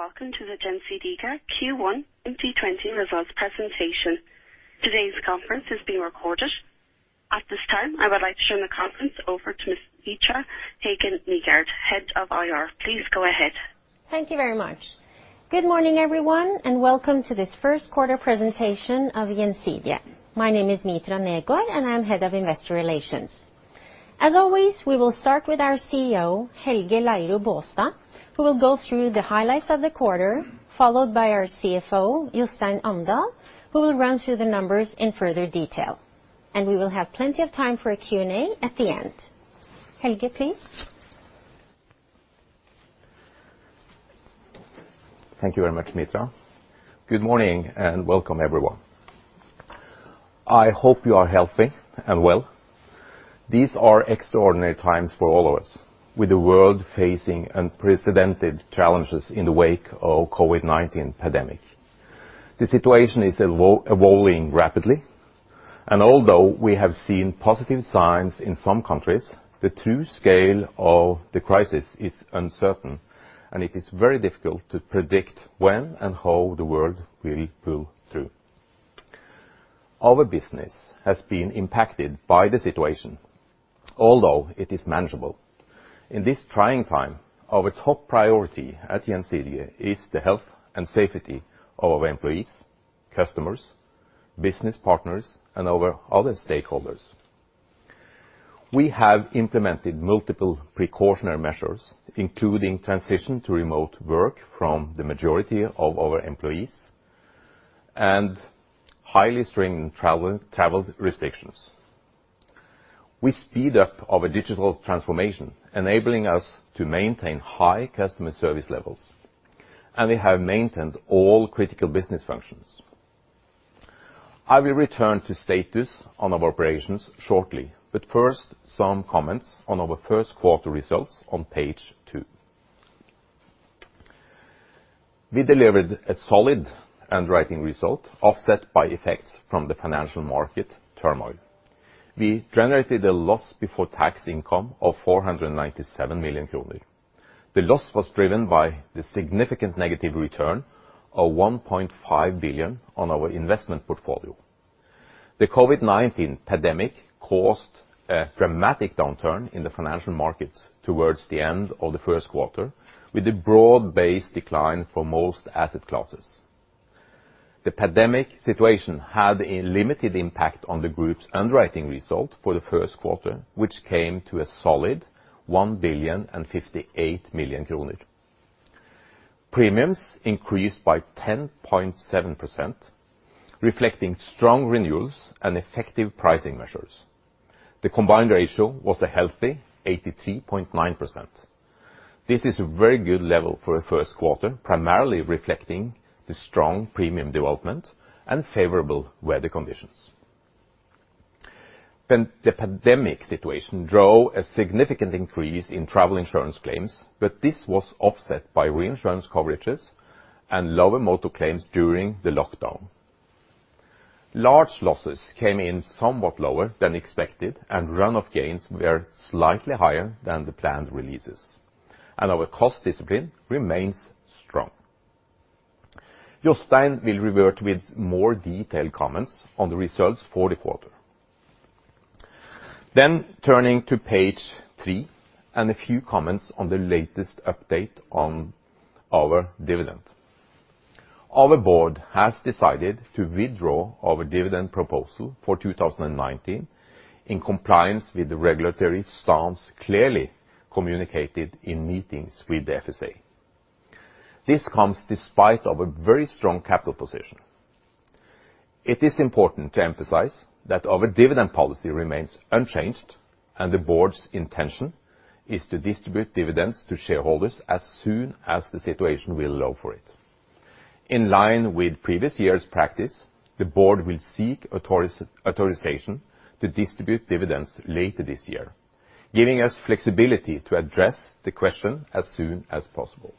Good day and welcome to the Gjensidige Q1 2020 results presentation. Today's conference is being recorded. At this time, I would like to turn the conference over to Ms. Mitra Hagen Negård, Head of IR. Please go ahead. Thank you very much. Good morning, everyone, and welcome to this first quarter presentation of Gjensidige. My name is Mitra Negård, and I'm Head of Investor Relations. As always, we will start with our CEO, Helge Leire Baastad, who will go through the highlights of the quarter, followed by our CFO, Jostein Amdal, who will run through the numbers in further detail. And we will have plenty of time for a Q&A at the end. Helge, please. Thank you very much, Mitra. Good morning and welcome, everyone. I hope you are healthy and well. These are extraordinary times for all of us, with the world facing unprecedented challenges in the wake of the COVID-19 pandemic. The situation is evolving rapidly, and although we have seen positive signs in some countries, the true scale of the crisis is uncertain, and it is very difficult to predict when and how the world will pull through. Our business has been impacted by the situation, although it is manageable. In this trying time, our top priority at Gjensidige is the health and safety of our employees, customers, business partners, and our other stakeholders. We have implemented multiple precautionary measures, including transition to remote work from the majority of our employees and highly stringent travel restrictions. We speed up our digital transformation, enabling us to maintain high customer service levels, and we have maintained all critical business functions. I will return to status on our operations shortly, but first, some comments on our first quarter results on page two. We delivered a solid underwriting result offset by effects from the financial market turmoil. We generated a loss before tax income of 497 million kroner. The loss was driven by the significant negative return of 1.5 billion on our investment portfolio. The COVID-19 pandemic caused a dramatic downturn in the financial markets towards the end of the first quarter, with a broad-based decline for most asset classes. The pandemic situation had a limited impact on the group's underwriting result for the first quarter, which came to a solid 1 billion and 58 million. Premiums increased by 10.7%, reflecting strong renewals and effective pricing measures. The combined ratio was a healthy 83.9%. This is a very good level for the first quarter, primarily reflecting the strong premium development and favorable weather conditions. The pandemic situation drove a significant increase in travel insurance claims, but this was offset by reinsurance coverages and lower motor claims during the lockdown. Large losses came in somewhat lower than expected, and run-off gains were slightly higher than the planned releases, and our cost discipline remains strong. Jostein will revert with more detailed comments on the results for the quarter, then turning to page three and a few comments on the latest update on our dividend. Our board has decided to withdraw our dividend proposal for 2019 in compliance with the regulatory stance clearly communicated in meetings with the FSA. This comes despite our very strong capital position. It is important to emphasize that our dividend policy remains unchanged, and the board's intention is to distribute dividends to shareholders as soon as the situation will allow for it. In line with previous years' practice, the board will seek authorization to distribute dividends later this year, giving us flexibility to address the question as soon as possible.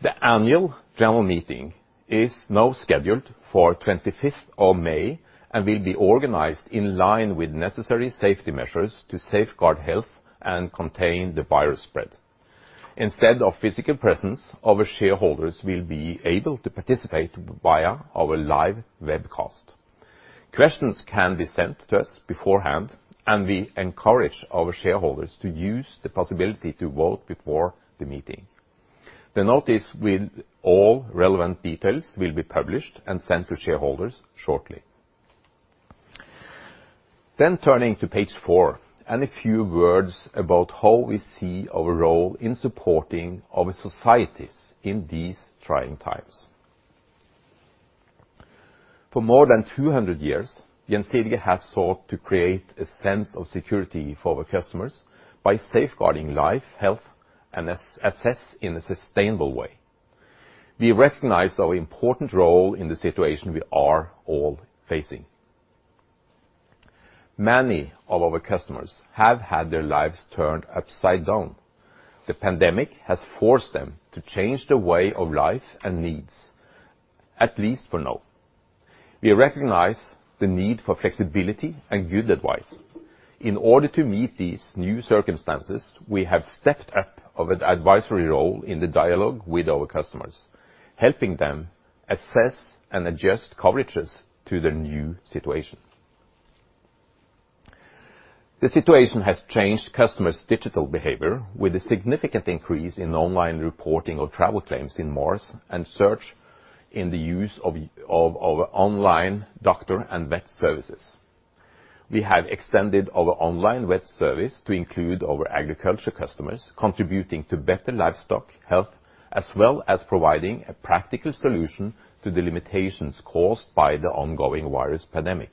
The annual general meeting is now scheduled for the 25th of May and will be organized in line with necessary safety measures to safeguard health and contain the virus spread. Instead of physical presence, our shareholders will be able to participate via our live webcast. Questions can be sent to us beforehand, and we encourage our shareholders to use the possibility to vote before the meeting. The notice with all relevant details will be published and sent to shareholders shortly. Then, turning to page four and a few words about how we see our role in supporting our societies in these trying times. For more than 200 years, Gjensidige has sought to create a sense of security for our customers by safeguarding life, health, and assets in a sustainable way. We recognize our important role in the situation we are all facing. Many of our customers have had their lives turned upside down. The pandemic has forced them to change their way of life and needs, at least for now. We recognize the need for flexibility and good advice. In order to meet these new circumstances, we have stepped up our advisory role in the dialogue with our customers, helping them assess and adjust coverages to their new situation. The situation has changed customers' digital behavior with a significant increase in online reporting of travel claims in March and search in the use of our online doctor and vet services. We have extended our online vet service to include our agriculture customers, contributing to better livestock health as well as providing a practical solution to the limitations caused by the ongoing virus pandemic.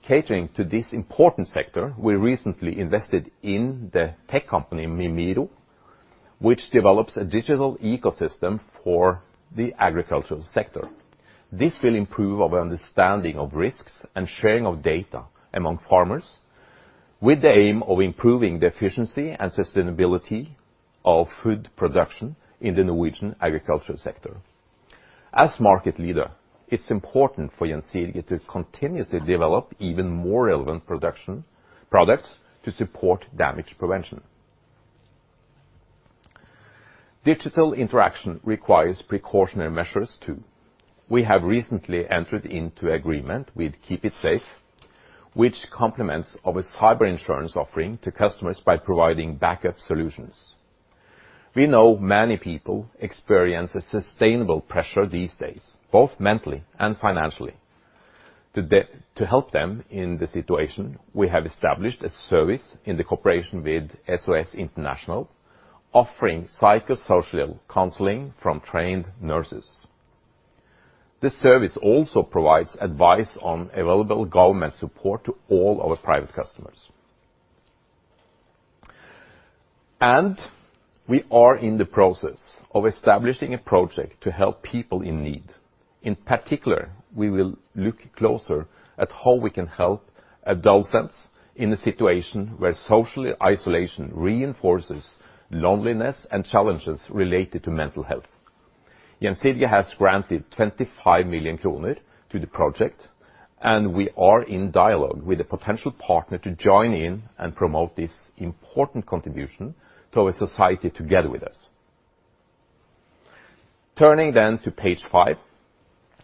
Catering to this important sector, we recently invested in the tech company Mimiro, which develops a digital ecosystem for the agricultural sector. This will improve our understanding of risks and sharing of data among farmers, with the aim of improving the efficiency and sustainability of food production in the Norwegian agricultural sector. As market leader, it's important for Gjensidige to continuously develop even more relevant products to support damage prevention. Digital interaction requires precautionary measures too. We have recently entered into an agreement with KeepItSafe, which complements our cyber insurance offering to customers by providing backup solutions. We know many people experience a sustainable pressure these days, both mentally and financially. To help them in the situation, we have established a service in cooperation with SOS International, offering psychosocial counseling from trained nurses. This service also provides advice on available government support to all our private customers, and we are in the process of establishing a project to help people in need. In particular, we will look closer at how we can help adolescents in a situation where social isolation reinforces loneliness and challenges related to mental health. Gjensidige has granted 25 million kroner to the project, and we are in dialogue with a potential partner to join in and promote this important contribution to our society together with us. Turning then to page five,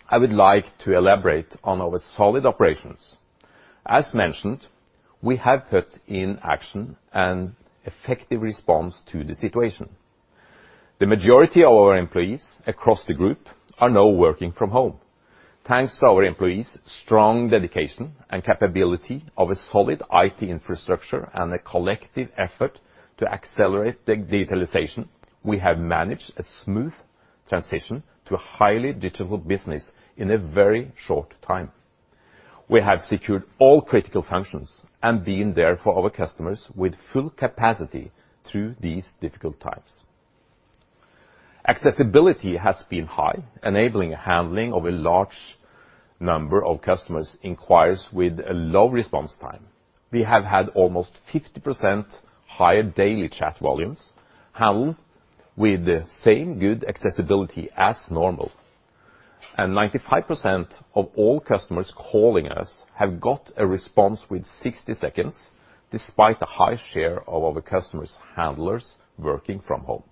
I would like to elaborate on our solid operations. As mentioned, we have put in action an effective response to the situation. The majority of our employees across the group are now working from home. Thanks to our employees' strong dedication and capability of a solid IT infrastructure and a collective effort to accelerate digitalization, we have managed a smooth transition to a highly digital business in a very short time. We have secured all critical functions and been there for our customers with full capacity through these difficult times. Accessibility has been high, enabling handling of a large number of customers' inquiries with a low response time. We have had almost 50% higher daily chat volumes handled with the same good accessibility as normal. 95% of all customers calling us have got a response within 60 seconds, despite a high share of our customers' handlers working from home.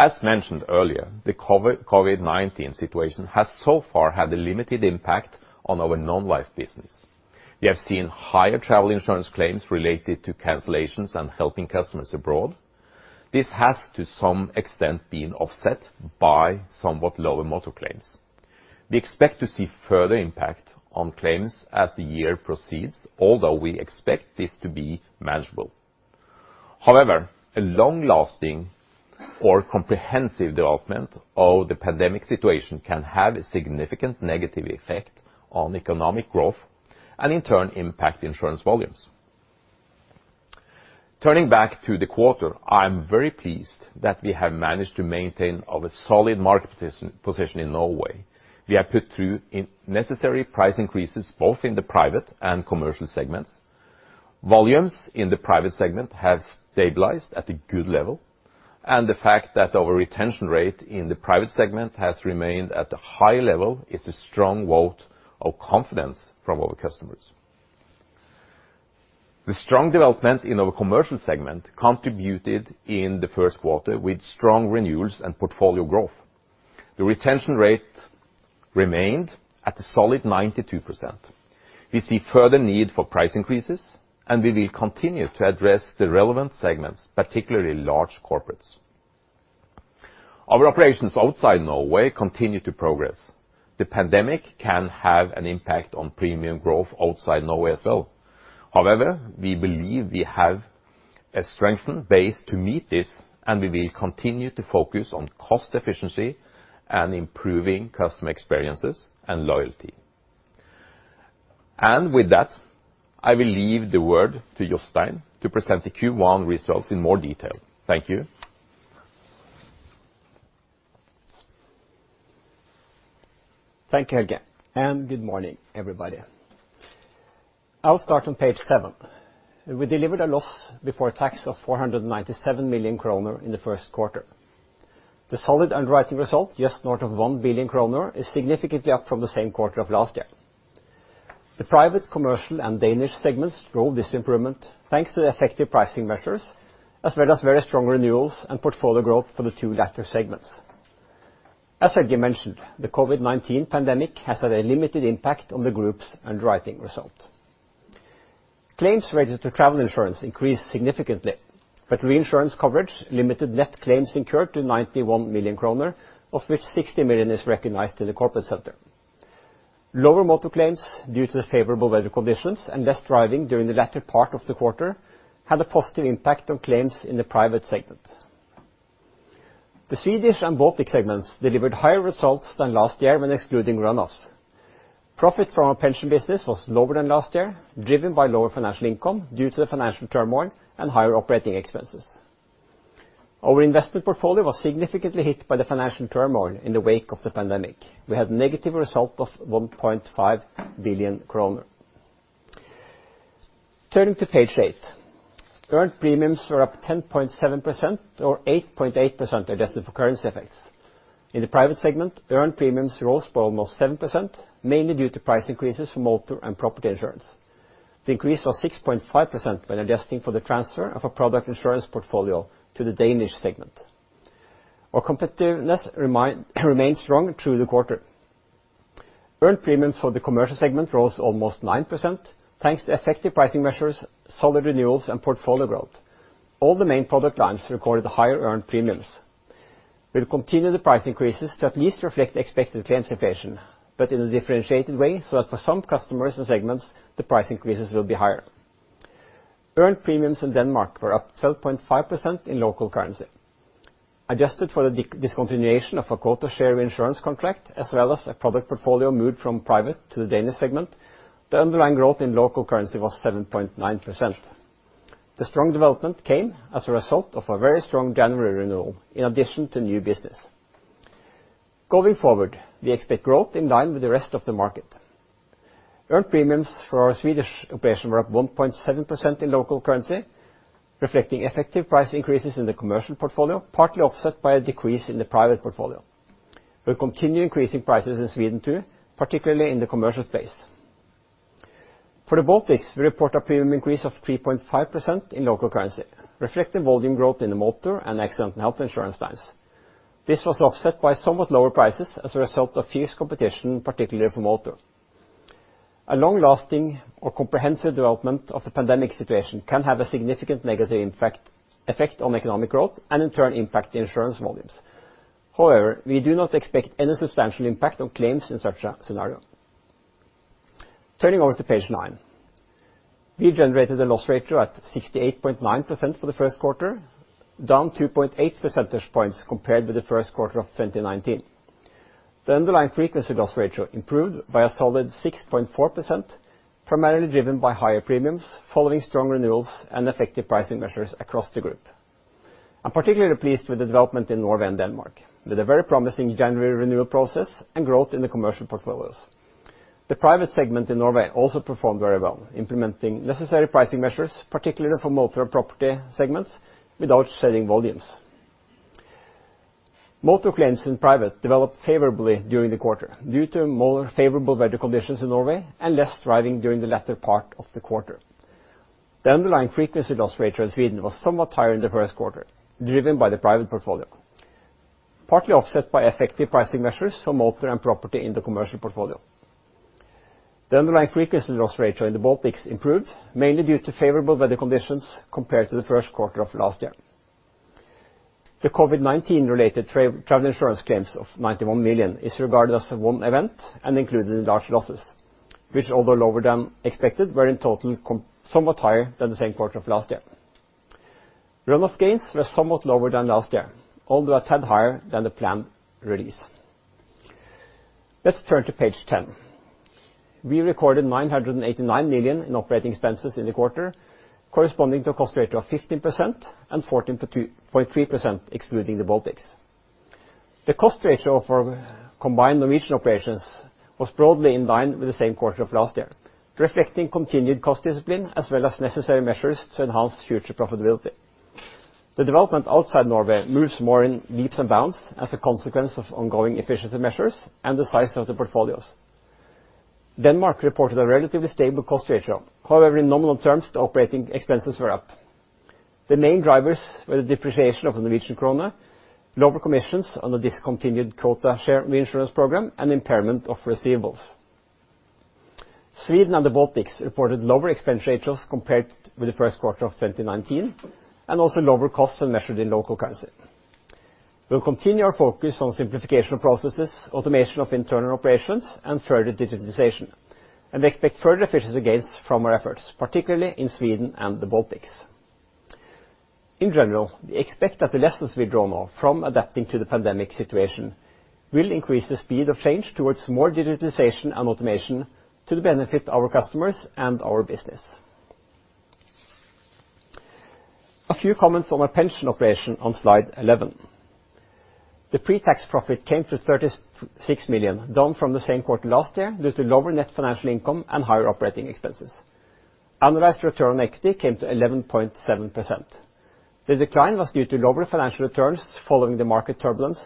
As mentioned earlier, the COVID-19 situation has so far had a limited impact on our non-life business. We have seen higher travel insurance claims related to cancellations and helping customers abroad. This has, to some extent, been offset by somewhat lower motor claims. We expect to see further impact on claims as the year proceeds, although we expect this to be manageable. However, a long-lasting or comprehensive development of the pandemic situation can have a significant negative effect on economic growth and, in turn, impact insurance volumes. Turning back to the quarter, I am very pleased that we have managed to maintain our solid market position in Norway. We have put through necessary price increases both in the private and commercial segments. Volumes in the private segment have stabilized at a good level, and the fact that our retention rate in the private segment has remained at a high level is a strong vote of confidence from our customers. The strong development in our commercial segment contributed in the first quarter with strong renewals and portfolio growth. The retention rate remained at a solid 92%. We see further need for price increases, and we will continue to address the relevant segments, particularly large corporates. Our operations outside Norway continue to progress. The pandemic can have an impact on premium growth outside Norway as well. However, we believe we have a strengthened base to meet this, and we will continue to focus on cost efficiency and improving customer experiences and loyalty. And with that, I will leave the word to Jostein to present the Q1 results in more detail. Thank you. Thank you Helge, and good morning, everybody. I'll start on page seven. We delivered a loss before tax of 497 million kroner in the first quarter. The solid underwriting result, just north of one billion kroner, is significantly up from the same quarter of last year. The private, commercial, and Danish segments drove this improvement thanks to effective pricing measures, as well as very strong renewals and portfolio growth for the two latter segments. As I mentioned, the COVID-19 pandemic has had a limited impact on the group's underwriting result. Claims related to travel insurance increased significantly, but reinsurance coverage limited net claims incurred to 91 million kroner, of which 60 million is recognized in the corporate sector. Lower motor claims due to favorable weather conditions and less driving during the latter part of the quarter had a positive impact on claims in the private segment. The Swedish and Baltic segments delivered higher results than last year when excluding run-offs. Profit from our pension business was lower than last year, driven by lower financial income due to the financial turmoil and higher operating expenses. Our investment portfolio was significantly hit by the financial turmoil in the wake of the pandemic. We had a negative result of 1.5 billion kroner. Turning to page eight, earned premiums were up 10.7% or 8.8% adjusted for currency effects. In the private segment, earned premiums rose by almost 7%, mainly due to price increases for motor and property insurance. The increase was 6.5% when adjusting for the transfer of our product insurance portfolio to the Danish segment. Our competitiveness remained strong through the quarter. Earned premiums for the commercial segment rose almost 9% thanks to effective pricing measures, solid renewals, and portfolio growth. All the main product lines recorded higher earned premiums. We'll continue the price increases to at least reflect expected claims inflation, but in a differentiated way so that for some customers and segments, the price increases will be higher. Earned premiums in Denmark were up 12.5% in local currency. Adjusted for the discontinuation of our quota share insurance contract, as well as a product portfolio moved from private to the Danish segment, the underlying growth in local currency was 7.9%. The strong development came as a result of a very strong January renewal, in addition to new business. Going forward, we expect growth in line with the rest of the market. Earned premiums for our Swedish operation were up 1.7% in local currency, reflecting effective price increases in the commercial portfolio, partly offset by a decrease in the private portfolio. We'll continue increasing prices in Sweden too, particularly in the commercial space. For the Baltics, we report a premium increase of 3.5% in local currency, reflecting volume growth in the motor and accident and health insurance lines. This was offset by somewhat lower prices as a result of fierce competition, particularly for motor. A long-lasting or comprehensive development of the pandemic situation can have a significant negative effect on economic growth and, in turn, impact the insurance volumes. However, we do not expect any substantial impact on claims in such a scenario. Turning over to page nine, we generated a loss ratio at 68.9% for the first quarter, down 2.8 percentage points compared with the first quarter of 2019. The underlying frequency loss ratio improved by a solid 6.4%, primarily driven by higher premiums following strong renewals and effective pricing measures across the group. I'm particularly pleased with the development in Norway and Denmark, with a very promising January renewal process and growth in the commercial portfolios. The private segment in Norway also performed very well, implementing necessary pricing measures, particularly for motor and property segments, without shedding volumes. Motor claims in private developed favorably during the quarter due to more favorable weather conditions in Norway and less driving during the latter part of the quarter. The underlying frequency loss ratio in Sweden was somewhat higher in the first quarter, driven by the private portfolio, partly offset by effective pricing measures for motor and property in the commercial portfolio. The underlying frequency loss ratio in the Baltics improved, mainly due to favorable weather conditions compared to the first quarter of last year. The COVID-19-related travel insurance claims of 91 million is regarded as one event and included in large losses, which, although lower than expected, were in total somewhat higher than the same quarter of last year. Run-off gains were somewhat lower than last year, although a tad higher than the planned release. Let's turn to page 10. We recorded 989 million in operating expenses in the quarter, corresponding to a cost ratio of 15% and 14.3% excluding the Baltics. The cost ratio for combined Norwegian operations was broadly in line with the same quarter of last year, reflecting continued cost discipline as well as necessary measures to enhance future profitability. The development outside Norway moves more in leaps and bounds as a consequence of ongoing efficiency measures and the size of the portfolios. Denmark reported a relatively stable cost ratio. However, in nominal terms, the operating expenses were up. The main drivers were the depreciation of the Norwegian krone, lower commissions on the discontinued quota share reinsurance program, and impairment of receivables. Sweden and the Baltics reported lower expense ratios compared with the first quarter of 2019, and also lower costs when measured in local currency. We'll continue our focus on simplification of processes, automation of internal operations, and further digitalization, and expect further efficiency gains from our efforts, particularly in Sweden and the Baltics. In general, we expect that the lessons we draw now from adapting to the pandemic situation will increase the speed of change towards more digitalization and automation to the benefit of our customers and our business. A few comments on our pension operation on slide 11. The pre-tax profit came to 36 million, down from the same quarter last year due to lower net financial income and higher operating expenses. Adjusted return on equity came to 11.7%. The decline was due to lower financial returns following the market turbulence,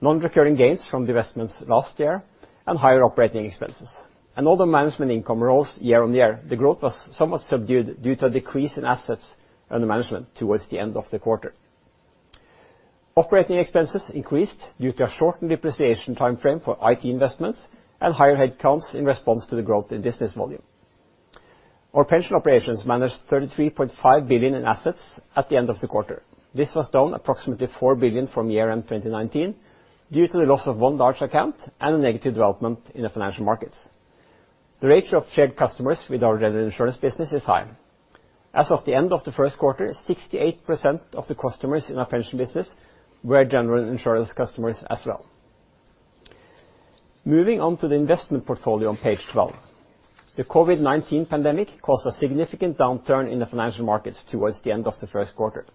non-recurring gains from the investments last year, and higher operating expenses. Although management income rose year on year, the growth was somewhat subdued due to a decrease in assets under management towards the end of the quarter. Operating expenses increased due to a shortened depreciation timeframe for IT investments and higher headcounts in response to the growth in business volume. Our pension operations managed 33.5 billion in assets at the end of the quarter. This was down approximately 4 billion from year-end 2019 due to the loss of one large account and a negative development in the financial markets. The ratio of shared customers with our retail insurance business is high. As of the end of the first quarter, 68% of the customers in our pension business were general insurance customers as well. Moving on to the investment portfolio on page 12. The COVID-19 pandemic caused a significant downturn in the financial markets towards the end of the first quarter,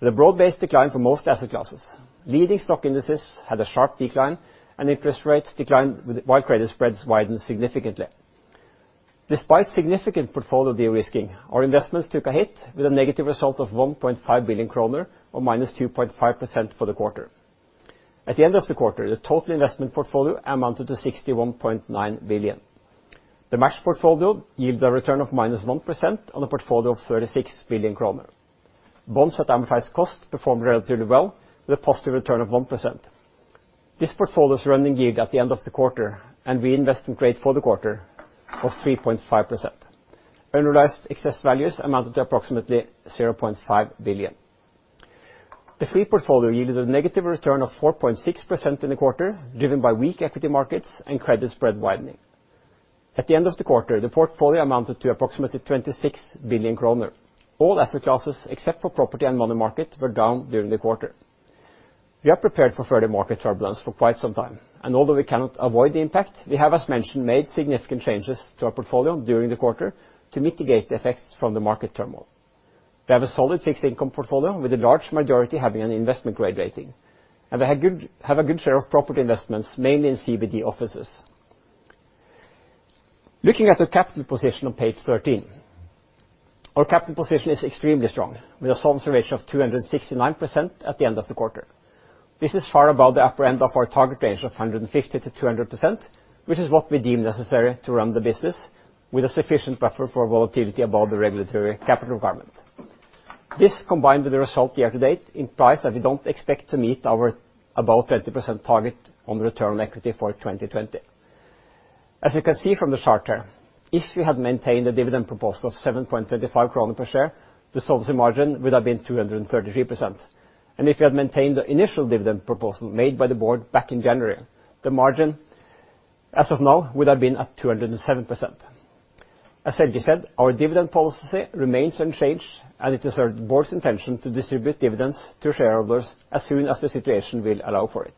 with a broad-based decline for most asset classes. Leading stock indices had a sharp decline, and interest rates declined while credit spreads widened significantly. Despite significant portfolio de-risking, our investments took a hit with a negative result of 1.5 billion kroner or minus 2.5% for the quarter. At the end of the quarter, the total investment portfolio amounted to 61.9 billion. The matched portfolio yielded a return of minus 1% on a portfolio of 36 billion kroner. Bonds at amortized cost performed relatively well, with a positive return of 1%. This portfolio's running yield at the end of the quarter and reinvestment rate for the quarter was 3.5%. Unrealized excess values amounted to approximately 0.5 billion. The free portfolio yielded a negative return of 4.6% in the quarter, driven by weak equity markets and credit spread widening. At the end of the quarter, the portfolio amounted to approximately 26 billion kroner. All asset classes, except for property and money market, were down during the quarter. We are prepared for further market turbulence for quite some time, and although we cannot avoid the impact, we have, as mentioned, made significant changes to our portfolio during the quarter to mitigate the effects from the market turmoil. We have a solid fixed income portfolio, with the large majority having an investment-grade rating, and we have a good share of property investments, mainly in CBD offices. Looking at our capital position on page 13, our capital position is extremely strong, with a solvency ratio of 269% at the end of the quarter. This is far above the upper end of our target range of 150%-200%, which is what we deem necessary to run the business with a sufficient buffer for volatility above the regulatory capital requirement. This, combined with the result year-to-date, implies that we don't expect to meet our about 20% target on return on equity for 2020. As you can see from the chart here, if we had maintained the dividend proposal of 7.25 kroner per share, the solvency margin would have been 233%, and if we had maintained the initial dividend proposal made by the board back in January, the margin as of now would have been at 207%. As Helge said, our dividend policy remains unchanged, and it is our board's intention to distribute dividends to shareholders as soon as the situation will allow for it.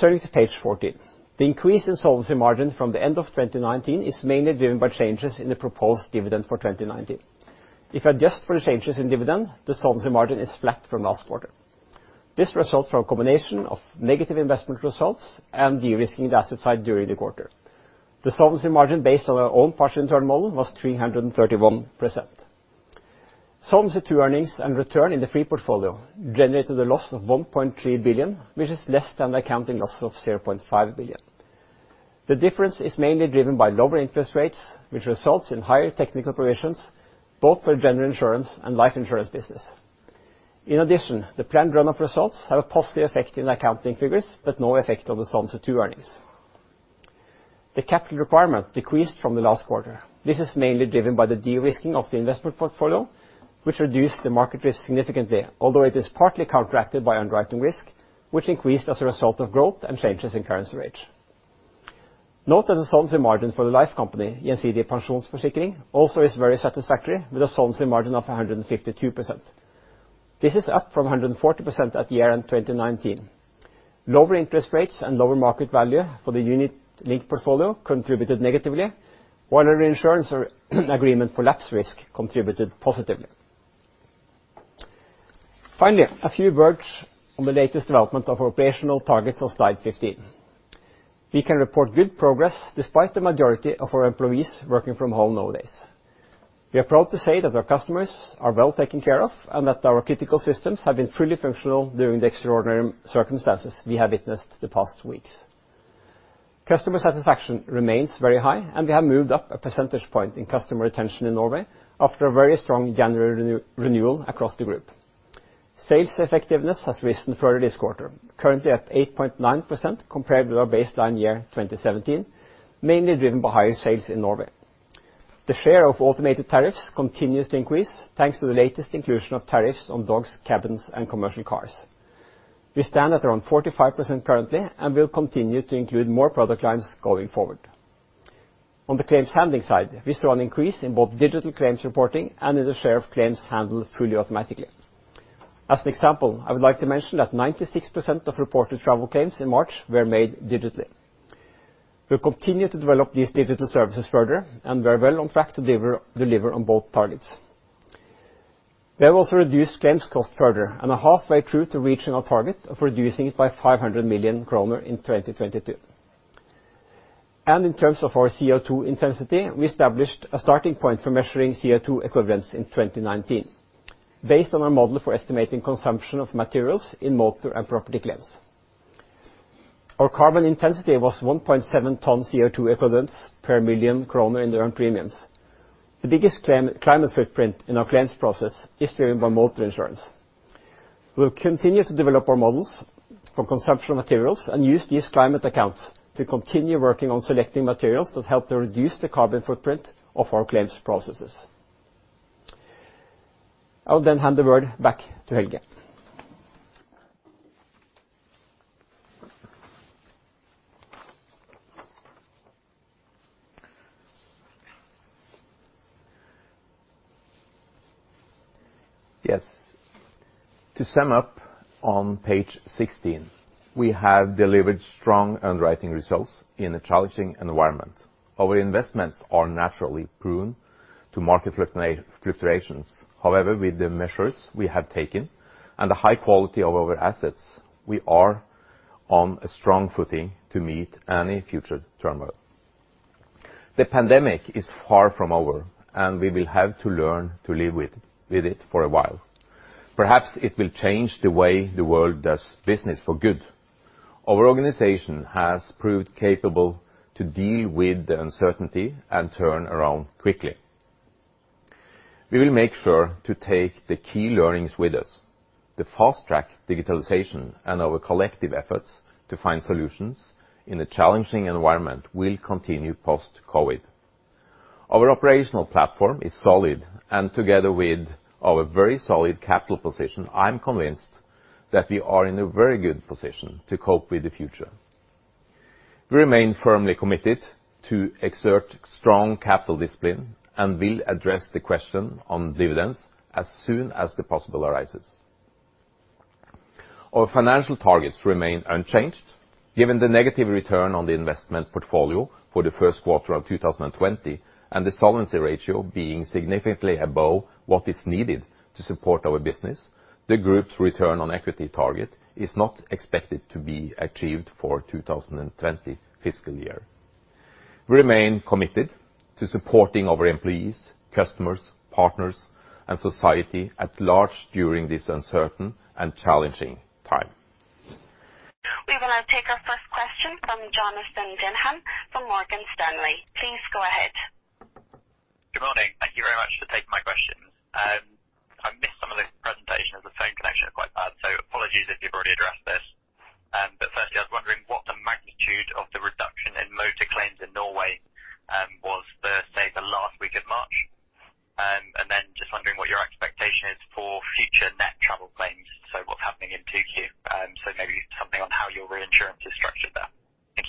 Turning to page 14, the increase in solvency margin from the end of 2019 is mainly driven by changes in the proposed dividend for 2019. If we adjust for the changes in dividend, the solvency margin is flat from last quarter. This resulted from a combination of negative investment results and de-risking the asset side during the quarter. The solvency margin based on our own partial internal model was 331%. Solvency II earnings and return in the free portfolio generated a loss of 1.3 billion, which is less than the accounting loss of 0.5 billion. The difference is mainly driven by lower interest rates, which results in higher technical provisions both for the general insurance and life insurance business. In addition, the planned run-off results have a positive effect in accounting figures, but no effect on the Solvency II earnings. The capital requirement decreased from the last quarter. This is mainly driven by the de-risking of the investment portfolio, which reduced the market risk significantly, although it is partly counteracted by underwriting risk, which increased as a result of growth and changes in currency rate. Note that the solvency margin for the life company, Gjensidige Pensjonsforsikring, also is very satisfactory with a solvency margin of 152%. This is up from 140% at year-end 2019. Lower interest rates and lower market value for the unit-linked portfolio contributed negatively, while a reinsurance agreement for lapse risk contributed positively. Finally, a few words on the latest development of our operational targets on slide 15. We can report good progress despite the majority of our employees working from home nowadays. We are proud to say that our customers are well taken care of and that our critical systems have been fully functional during the extraordinary circumstances we have witnessed the past weeks. Customer satisfaction remains very high, and we have moved up a percentage point in customer retention in Norway after a very strong January renewal across the group. Sales effectiveness has risen further this quarter, currently at 8.9% compared with our baseline year 2017, mainly driven by higher sales in Norway. The share of automated tariffs continues to increase thanks to the latest inclusion of tariffs on dogs, cabins, and commercial cars. We stand at around 45% currently and will continue to include more product lines going forward. On the claims handling side, we saw an increase in both digital claims reporting and in the share of claims handled fully automatically. As an example, I would like to mention that 96% of reported travel claims in March were made digitally. We'll continue to develop these digital services further and we're well on track to deliver on both targets. We have also reduced claims cost further and are halfway through to reaching our target of reducing it by 500 million kroner in 2022. In terms of our CO2 intensity, we established a starting point for measuring CO2 equivalents in 2019, based on our model for estimating consumption of materials in motor and property claims. Our carbon intensity was 1.7 ton CO2 equivalents per million NOK in the earned premiums. The biggest climate footprint in our claims process is driven by motor insurance. We'll continue to develop our models for consumption of materials and use these climate accounts to continue working on selecting materials that help to reduce the carbon footprint of our claims processes. I'll then hand the word back to Helge. Yes. To sum up on page 16, we have delivered strong underwriting results in a challenging environment. Our investments are naturally prone to market fluctuations. However, with the measures we have taken and the high quality of our assets, we are on a strong footing to meet any future turmoil. The pandemic is far from over, and we will have to learn to live with it for a while. Perhaps it will change the way the world does business for good. Our organization has proved capable to deal with the uncertainty and turn around quickly. We will make sure to take the key learnings with us. The fast-track digitalization and our collective efforts to find solutions in a challenging environment will continue post-COVID. Our operational platform is solid, and together with our very solid capital position, I'm convinced that we are in a very good position to cope with the future. We remain firmly committed to exert strong capital discipline and will address the question on dividends as soon as the possibility arises. Our financial targets remain unchanged. Given the negative return on the investment portfolio for the first quarter of 2020 and the solvency ratio being significantly above what is needed to support our business, the group's return on equity target is not expected to be achieved for the 2020 fiscal year. We remain committed to supporting our employees, customers, partners, and society at large during this uncertain and challenging time. We will now take our first question from Jonathan Denham from Morgan Stanley. Please go ahead. Good morning. Thank you very much for taking my question. I missed some of the presentation as the phone connection is quite bad, so apologies if you've already addressed this. But firstly, I was wondering what the magnitude of the reduction in motor claims in Norway was, say, the last week of March. And then just wondering what your expectation is for future net travel claims, so what's happening in Tokyo. So maybe something on how your reinsurance is structured there. Thank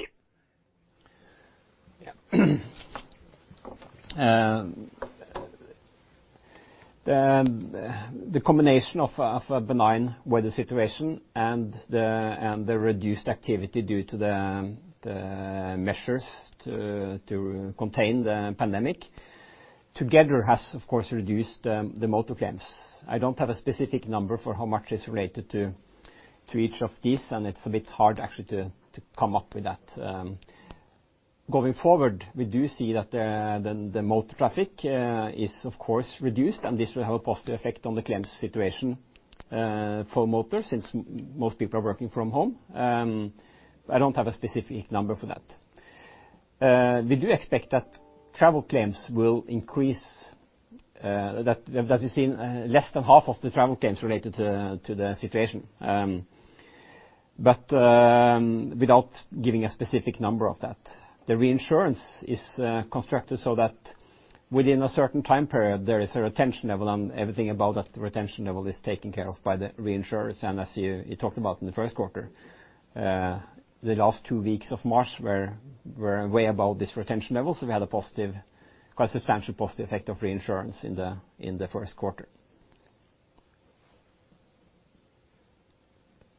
you. Yeah. The combination of a benign weather situation and the reduced activity due to the measures to contain the pandemic together has, of course, reduced the motor claims. I don't have a specific number for how much is related to each of these, and it's a bit hard actually to come up with that. Going forward, we do see that the motor traffic is, of course, reduced, and this will have a positive effect on the claims situation for motor since most people are working from home. I don't have a specific number for that. We do expect that travel claims will increase. That we've seen less than half of the travel claims related to the situation, but without giving a specific number for that. The reinsurance is constructed so that within a certain time period, there is a retention level, and everything about that retention level is taken care of by the reinsurers, and as you talked about in the first quarter, the last two weeks of March were way above this retention level, so we had a positive, quite substantial positive effect of reinsurance in the first quarter.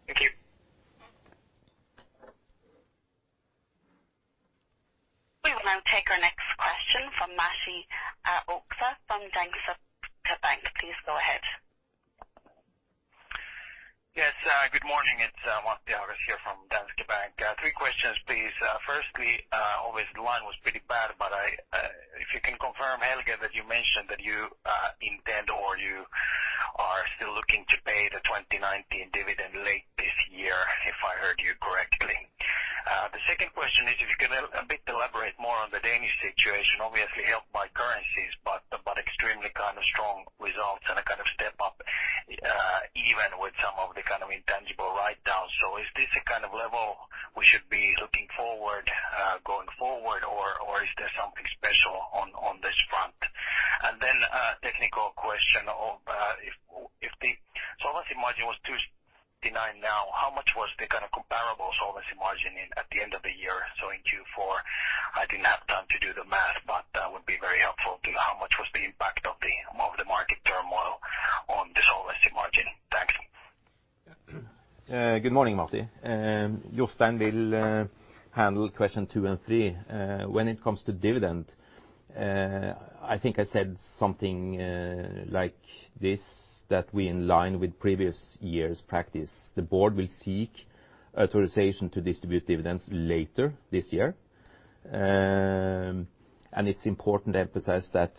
Thank you. We will now take our next question from Mads Ek Strøm from Danske Bank. Please go ahead. Yes. Good morning. It's Mads Ek Strøm here from Danske Bank. Three questions, please. Firstly, obviously, the line was pretty bad, but if you can confirm, Helge, that you mentioned that you intend or you are still looking to pay the 2019 dividend late this year, if I heard you correctly. The second question is if you can a bit elaborate more on the Danish situation, obviously helped by currencies, but extremely kind of strong results and a kind of step up even with some of the kind of intangible write-downs. So is this a kind of level we should be looking forward going forward, or is there something special on this front? And then a technical question. If the solvency margin was 269 now, how much was the kind of comparable solvency margin at the end of the year, so in Q4, I didn't have time to do the math, but that would be very helpful to how much was the impact of the market turmoil on the solvency margin. Thanks. Good morning, Mads. Jostein will handle question two and three. When it comes to dividend, I think I said something like this, that we, in line with previous years' practice, the board will seek authorization to distribute dividends later this year, and it's important to emphasize that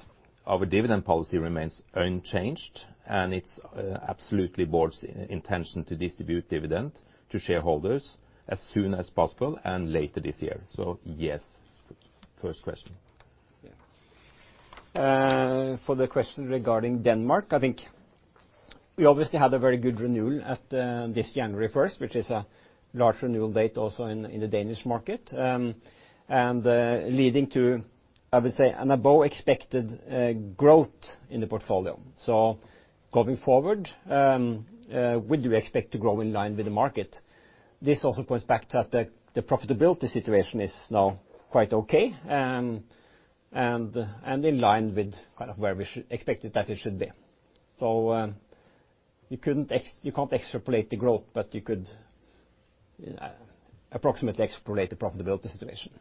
our dividend policy remains unchanged, and it's absolutely the board's intention to distribute dividend to shareholders as soon as possible and later this year, so yes, first question. For the question regarding Denmark, I think we obviously had a very good renewal at this January 1st, which is a large renewal date also in the Danish market, and leading to, I would say, an above-expected growth in the portfolio. So going forward, we do expect to grow in line with the market. This also points back to that the profitability situation is now quite okay and in line with kind of where we expected that it should be. So you can't extrapolate the growth, but you could approximately extrapolate the profitability situation.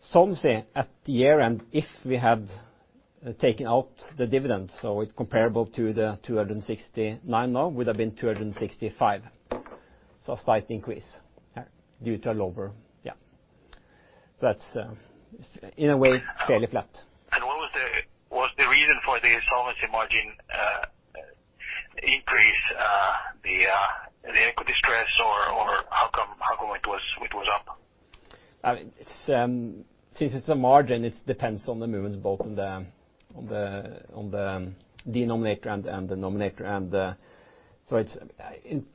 Solvency at year-end, if we had taken out the dividend, so it's comparable to the 269 now, would have been 265. So a slight increase due to a lower, yeah. So that's, in a way, fairly flat. And what was the reason for the solvency margin increase, the equity stress, or how come it was up? Since it's a margin, it depends on the movements both on the denominator and the nominator. And so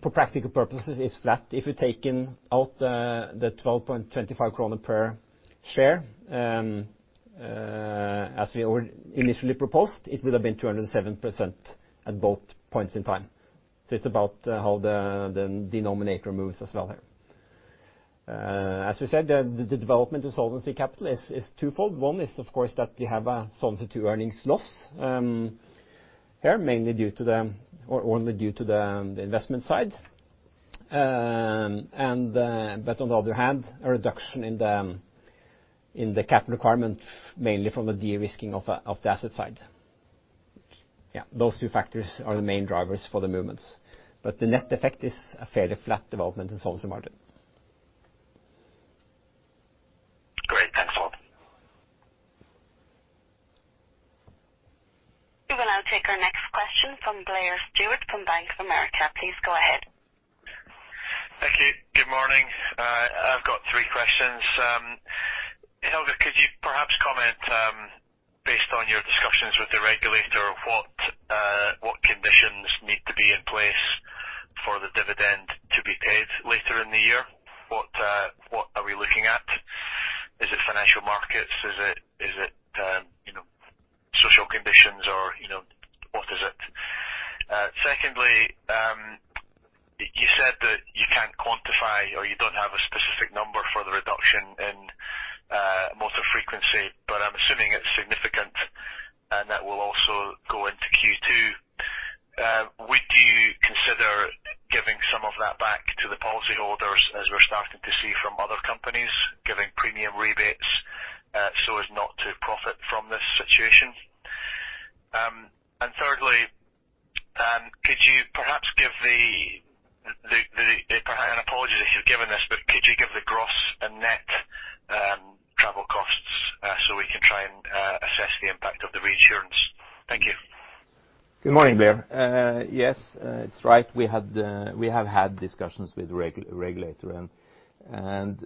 for practical purposes, it's flat. If you're taking out the 12.25 kroner per share as we initially proposed, it would have been 207% at both points in time, so it's about how the denominator moves as well here. As we said, the development of solvency capital is twofold. One is, of course, that we have a Solvency II earnings loss here, mainly due to the or only due to the investment side. But on the other hand, a reduction in the capital requirement, mainly from the de-risking of the asset side. Yeah, those two factors are the main drivers for the movements. But the net effect is a fairly flat development in solvency margin. Great. Thanks a lot. We will now take our next question from Blair Stewart from Bank of America. Please go ahead. Thank you. Good morning. I've got three questions. Helge, could you perhaps comment, based on your discussions with the regulator, what conditions need to be in place for the dividend to be paid later in the year? What are we looking at? Is it financial markets? Is it social conditions, or what is it? Secondly, you said that you can't quantify or you don't have a specific number for the reduction in motor frequency, but I'm assuming it's significant and that will also go into Q2. Would you consider giving some of that back to the policyholders as we're starting to see from other companies giving premium rebates so as not to profit from this situation? Thirdly, could you perhaps give the, apologies if you've given this, but could you give the gross and net travel costs so we can try and assess the impact of the reinsurance? Thank you. Good morning, Blair. Yes, it's right. We have had discussions with the regulator, and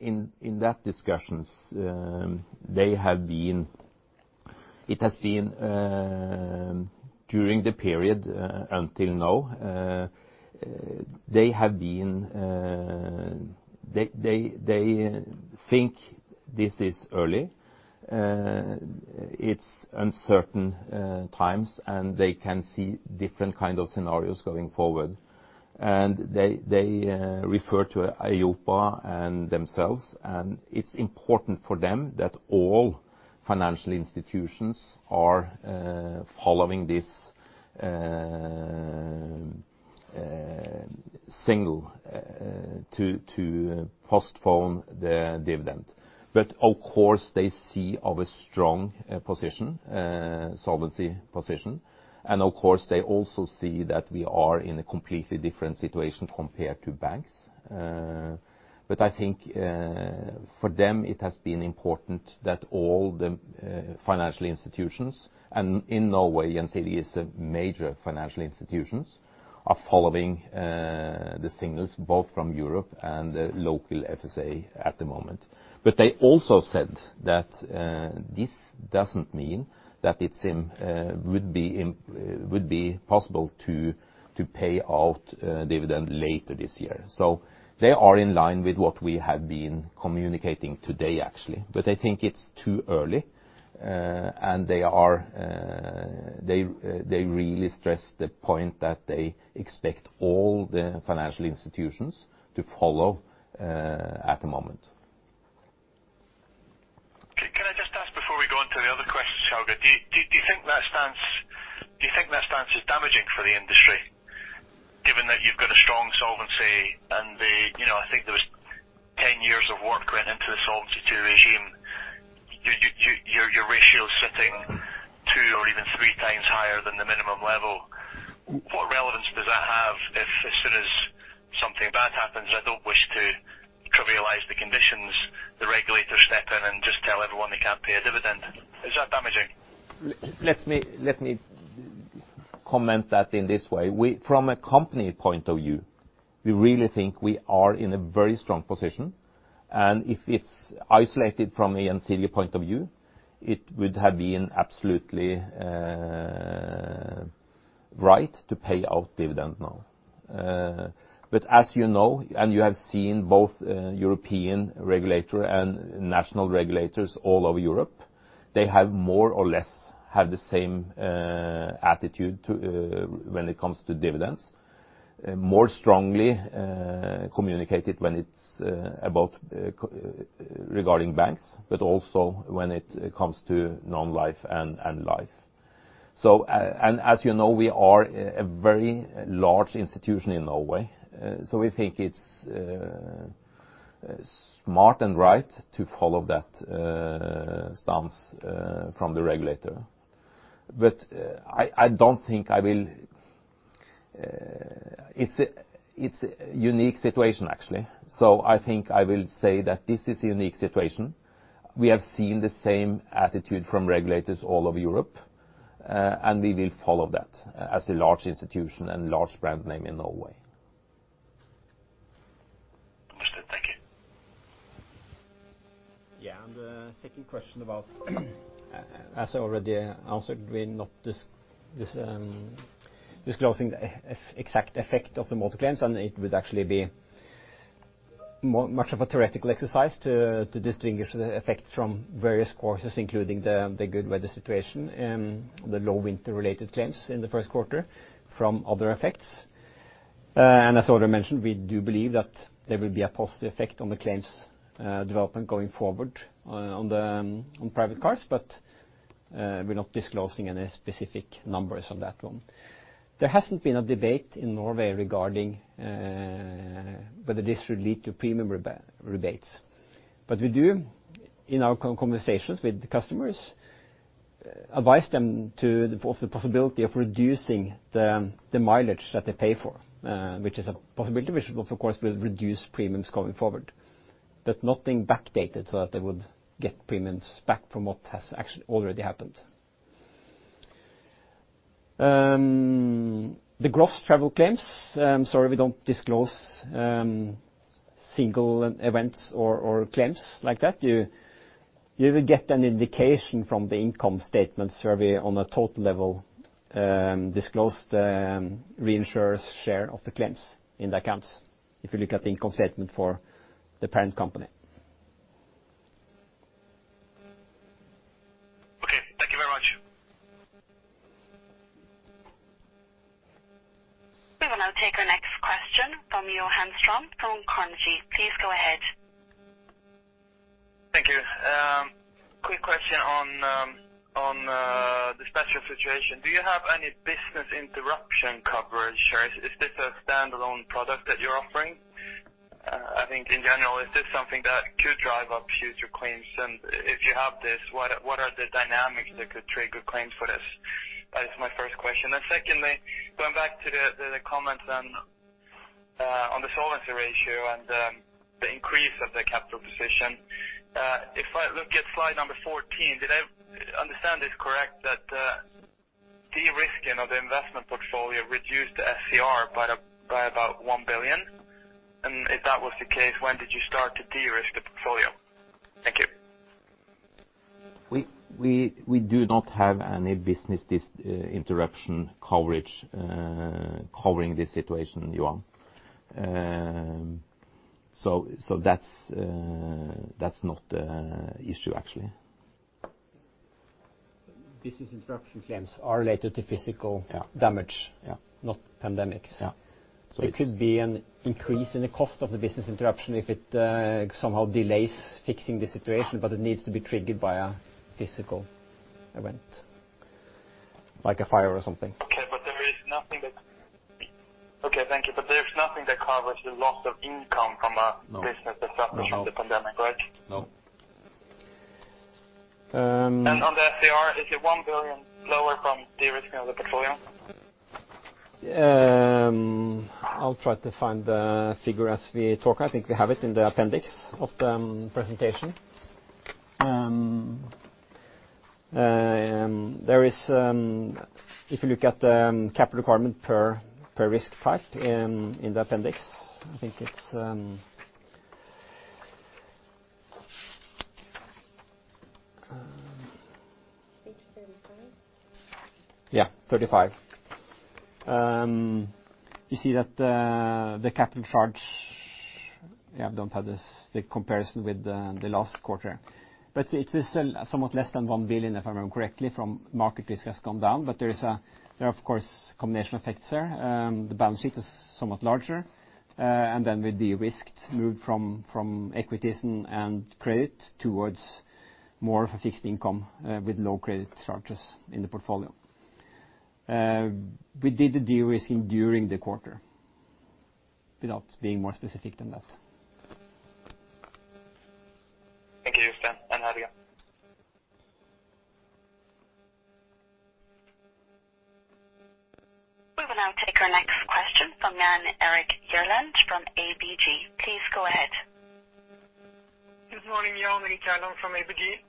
in those discussions, it has been during the period until now. They think this is early. It's uncertain times, and they can see different kinds of scenarios going forward. They refer to EIOPA and themselves, and it's important for them that all financial institutions are following this signal to postpone the dividend. But of course, they see our strong position, solvency position, and of course, they also see that we are in a completely different situation compared to banks. But I think for them, it has been important that all the financial institutions, and in Norway, Gjensidige is a major financial institution, are following the signals both from Europe and the local FSA at the moment. But they also said that this doesn't mean that it would be possible to pay out dividend later this year. So they are in line with what we have been communicating today, actually. But I think it's too early, and they really stress the point that they expect all the financial institutions to follow at the moment. Can I just ask before we go on to the other questions, Helge? Do you think that stance, do you think that stance is damaging for the industry, given that you've got a strong solvency and the, I think there was 10 years of work went into the Solvency II regime? Your ratio is sitting two or even three times higher than the minimum level. What relevance does that have if, as soon as something bad happens, and I don't wish to trivialize the conditions, the regulator steps in and just tells everyone they can't pay a dividend? Is that damaging? Let me comment that in this way. From a company point of view, we really think we are in a very strong position. And if it's isolated from the Gjensidige point of view, it would have been absolutely right to pay out dividend now. But as you know, and you have seen both European regulators and national regulators all over Europe, they have more or less had the same attitude when it comes to dividends, more strongly communicated when it's about regarding banks, but also when it comes to non-life and life. As you know, we are a very large institution in Norway, so we think it's smart and right to follow that stance from the regulator. But I don't think I will. It's a unique situation, actually. So I think I will say that this is a unique situation. We have seen the same attitude from regulators all over Europe, and we will follow that as a large institution and large brand name in Norway. Understood. Thank you. Yeah. And the second question about, as I already answered, we're not disclosing the exact effect of the motor claims, and it would actually be much of a theoretical exercise to distinguish the effects from various causes, including the good weather situation, the low winter-related claims in the first quarter from other effects. As already mentioned, we do believe that there will be a positive effect on the claims development going forward on private cars, but we're not disclosing any specific numbers on that one. There hasn't been a debate in Norway regarding whether this would lead to premium rebates. But we do, in our conversations with the customers, advise them of the possibility of reducing the mileage that they pay for, which is a possibility which, of course, will reduce premiums going forward. But nothing backdated so that they would get premiums back from what has actually already happened. The gross travel claims, sorry, we don't disclose single events or claims like that. You would get an indication from the income statements where we, on a total level, disclose the reinsurer's share of the claims in the accounts if you look at the income statement for the parent company. Okay. Thank you very much. We will now take our next question from Johan Ström from Carnegie. Please go ahead. Thank you. Quick question on the special situation. Do you have any business interruption coverage, or is this a standalone product that you're offering? I think, in general, is this something that could drive up future claims? And if you have this, what are the dynamics that could trigger claims for this? That is my first question. And secondly, going back to the comments on the solvency ratio and the increase of the capital position, if I look at slide number 14, did I understand this correct, that de-risking of the investment portfolio reduced the SCR by about 1 billion? And if that was the case, when did you start to de-risk the portfolio? Thank you. We do not have any business interruption coverage covering this situation, Johan. That's not the issue, actually. Business interruption claims are related to physical damage, not pandemics. So it could be an increase in the cost of the business interruption if it somehow delays fixing the situation, but it needs to be triggered by a physical event, like a fire or something. Okay. But there is nothing that, okay, thank you. But there's nothing that covers the loss of income from a business that suffers from the pandemic, right? No. And on the SCR, is it one billion lower from de-risking of the portfolio? I'll try to find the figure as we talk. I think we have it in the appendix of the presentation. If you look at the capital requirement per risk type in the appendix, I think it's 635. Yeah, 35. You see that the capital charge, yeah, I don't have the comparison with the last quarter. But it is somewhat less than 1 billion, if I remember correctly, from market risk has gone down, but there are, of course, combination effects there. The balance sheet is somewhat larger, and then with de-risked, moved from equities and credit towards more of a fixed income with low credit charges in the portfolio. We did the de-risking during the quarter without being more specific than that. Thank you, Jostein. And Helge. We will now take our next question from Jan Erik Gjerland from ABG. Please go ahead. Good morning, Johan. I'm Jan Erik Gjerland from ABG.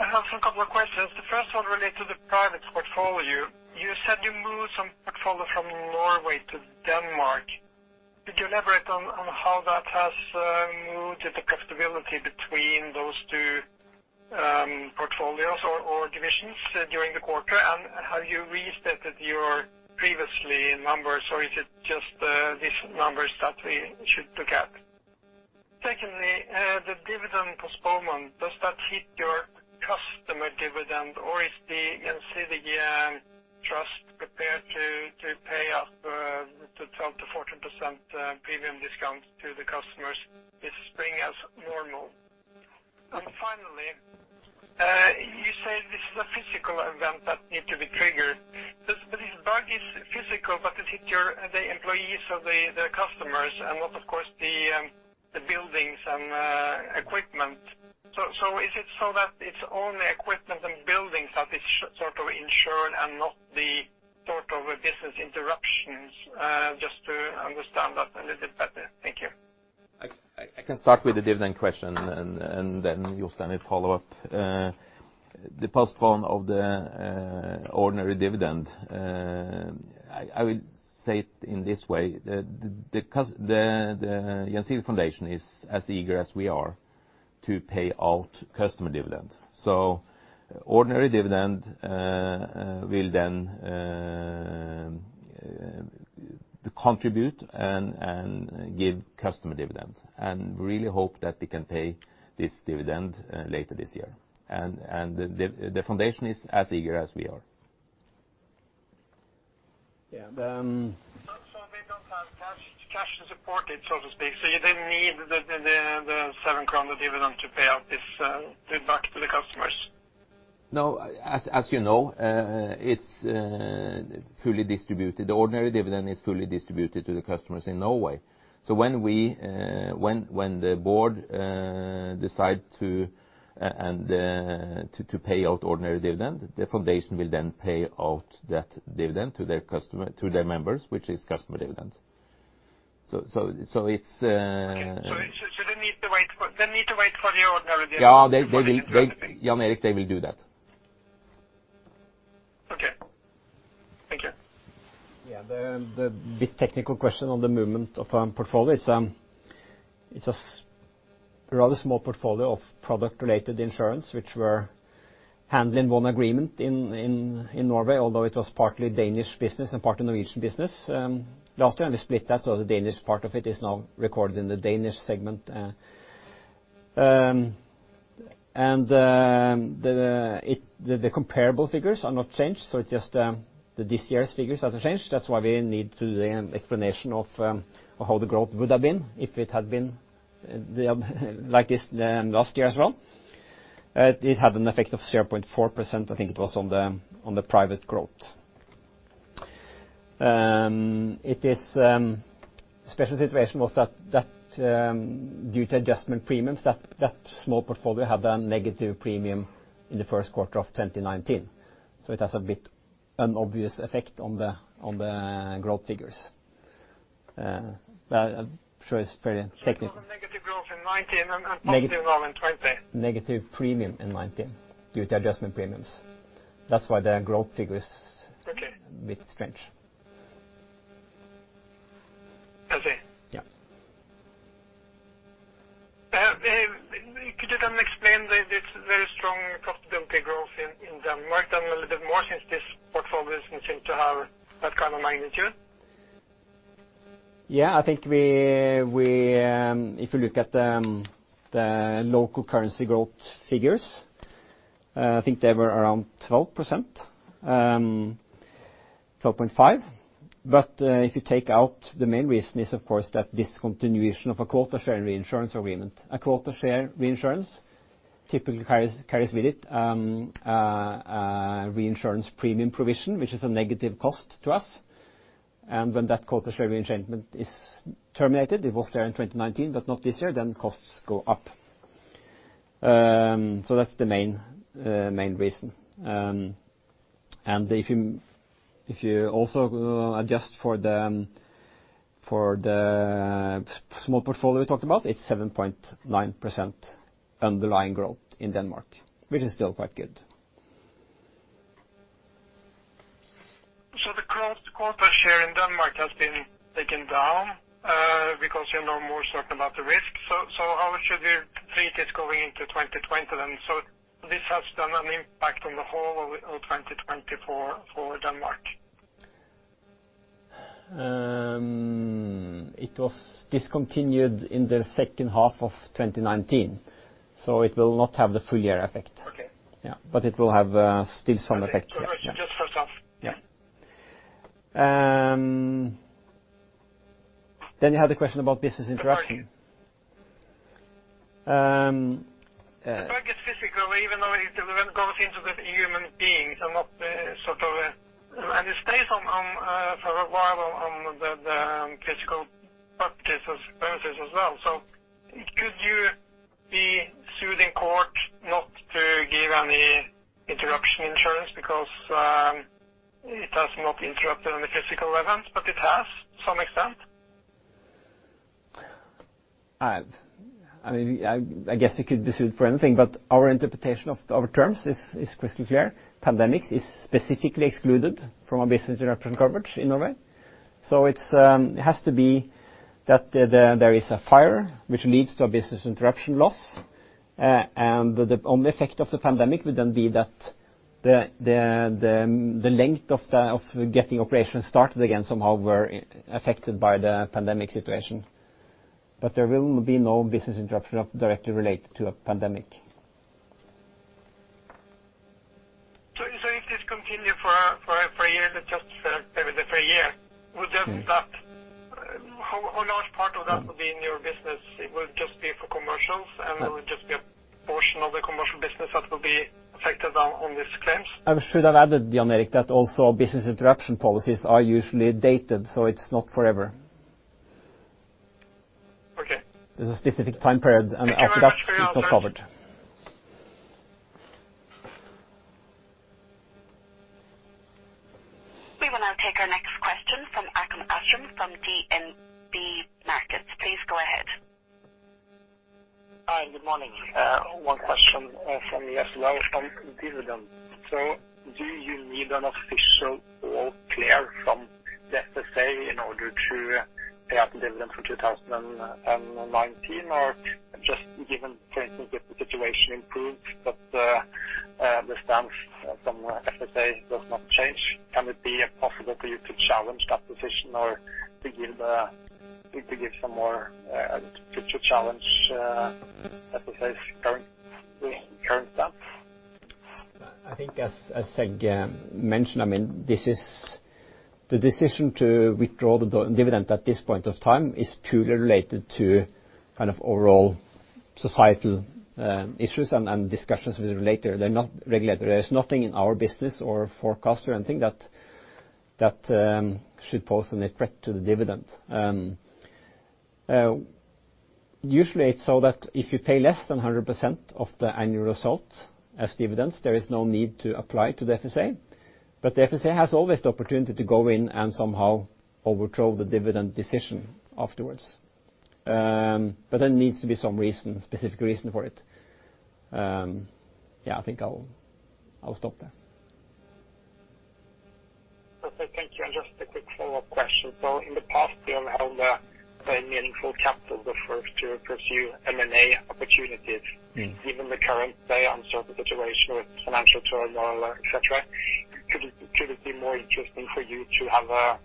I have a couple of questions. The first one relates to the private portfolio. You said you moved some portfolio from Norway to Denmark. Could you elaborate on how that has moved the profitability between those two portfolios or divisions during the quarter? Have you restated your previously in numbers, or is it just these numbers that we should look at? Secondly, the dividend postponement, does that hit your customer dividend, or is the Gjensidige Trust prepared to pay up to 12%-14% premium discount to the customers this spring as normal? Finally, you said this is a physical event that needs to be triggered. This bug is physical, but it hit the employees of the customers and not, of course, the buildings and equipment. Is it so that it's only equipment and buildings that is sort of insured and not the sort of business interruptions? Just to understand that a little bit better. Thank you. I can start with the dividend question, and then Jostein may follow up. The postponement of the ordinary dividend, I would say it in this way: the Jensel Foundation is as eager as we are to pay out customer dividend. So ordinary dividend will then contribute and give customer dividend. And we really hope that they can pay this dividend later this year. And the foundation is as eager as we are. Yeah. So they don't have cash to support it, so to speak. So you didn't need the 7-kroner dividend to pay out this back to the customers? No. As you know, it's fully distributed. The ordinary dividend is fully distributed to the customers in Norway. So when the board decides to pay out ordinary dividend, the foundation will then pay out that dividend to their members, which is customer dividend. So it's. So they need to wait for the ordinary dividend? Yeah. Jan Erik, they will do that. Okay. Thank you. Yeah. The technical question on the movement of our portfolio is a rather small portfolio of product-related insurance, which we're handling one agreement in Norway, although it was partly Danish business and partly Norwegian business. Last year, we split that, so the Danish part of it is now recorded in the Danish segment. And the comparable figures are not changed, so it's just this year's figures that are changed. That's why we need to do the explanation of how the growth would have been if it had been like this last year as well. It had an effect of 0.4%. I think it was on the private growth. The special situation was that due to adjustment premiums, that small portfolio had a negative premium in the first quarter of 2019. So it has a bit of an obvious effect on the growth figures. That shows very technically. Negative growth in 2019 and positive now in 2020. Negative premium in 2019 due to adjustment premiums. That's why the growth figure is a bit strange. I see. Yeah. Could you then explain that it's very strong profitability growth in Denmark than a little bit more since this portfolio doesn't seem to have that kind of magnitude? Yeah. I think if you look at the local currency growth figures, I think they were around 12%, 12.5%. But if you take out the main reason, it's, of course, that discontinuation of a quota share reinsurance agreement. A quota share reinsurance typically carries with it a reinsurance premium provision, which is a negative cost to us, and when that quota share reinsurance agreement is terminated, it was there in 2019, but not this year, then costs go up. So that's the main reason. If you also adjust for the small portfolio we talked about, it's 7.9% underlying growth in Denmark, which is still quite good. The quota share in Denmark has been taken down because you're no more certain about the risk. How should we treat it going into 2020 then? This has done an impact on the whole of 2020 for Denmark? It was discontinued in the second half of 2019, so it will not have the full year effect. Yeah. But it will have still some effect. Just for example. Yeah. You had a question about business interruption. If it's physical, even though it goes into the human beings and not sort of, and it stays for a while on the physical practices as well. Could you be sued in court not to give any interruption insurance because it has not interrupted on the physical event, but it has to some extent? I mean, I guess you could be sued for anything, but our interpretation of the terms is crystal clear. Pandemics is specifically excluded from a business interruption coverage in Norway. So it has to be that there is a fire which leads to a business interruption loss. And the only effect of the pandemic would then be that the length of getting operations started again somehow were affected by the pandemic situation. But there will be no business interruption directly related to a pandemic. So if this continues for a year, just maybe for a year, would then that, how large part of that would be in your business? It will just be for commercials, and it will just be a portion of the commercial business that will be affected on these claims? I'm sure. That added, Jan Erik, that also business interruption policies are usually dated, so it's not forever. There's a specific time period, and after that, it's not covered. We will now take our next question from Håkon Astrup from DNB Markets. Please go ahead. Hi. Good morning. One question from us also on dividend. So do you need an official oral clear from the FSA in order to pay out the dividend for 2019, or just given, for instance, if the situation improves, but the stance from the FSA does not change? Can it be possible for you to challenge that position or to give some more future challenge to FSA's current stance? I think, as Seg mentioned, I mean, the decision to withdraw the dividend at this point of time is purely related to kind of overall societal issues and discussions with the regulator. There's nothing in our business or forecast or anything that should pose a net threat to the dividend. Usually, it's so that if you pay less than 100% of the annual result as dividends, there is no need to apply to the FSA. But the FSA has always the opportunity to go in and somehow overthrow the dividend decision afterwards. But there needs to be some specific reason for it. Yeah, I think I'll stop there. Okay. Thank you. And just a quick follow-up question. So in the past, you haven't had a very meaningful capital buffer to pursue M&A opportunities. Given the current uncertain situation with financial turmoil, etc., could it be more interesting for you to have a